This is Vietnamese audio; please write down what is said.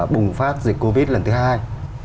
bùng phát dịch covid lần thứ hai